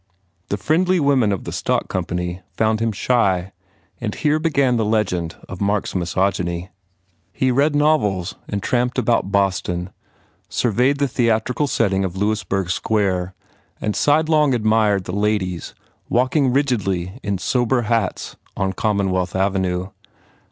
The friendly women of the Stock Company found him shy and here began the legend of Mark s misogyny. He read novels and tramped about Boston, surveyed the theatrical setting of Louis burg Square and sidelong admired the ladies walking rigidly in sober hats on Commonwealth Avenue.